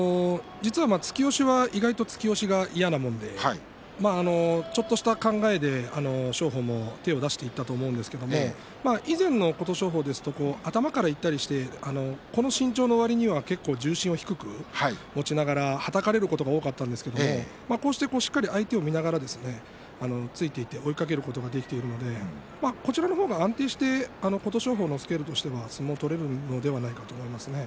実は突き押しは意外と突き押しが嫌なものでちょっとした考えで琴勝峰も手を出していったと思うんですけれど以前の琴勝峰ですと頭からいったりしてこの身長のわりには結構、重心を低くしながらはたかれることも多かったんですけれどしっかりと相手を見ながら突いていって追いかけることができているのでこちらの方が安定して琴勝峰のスケールとしては相撲が取れるのではないかなと思いますね。